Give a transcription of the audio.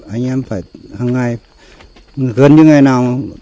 anh em phải hằng ngày gần như ngày nào